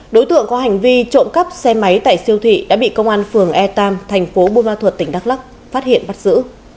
đối tượng có hành vi trộm cắp xe máy tại siêu thị đã bị công an phường e tam thành phố buôn ma thuật tỉnh đắk lắc phát hiện bắt giữ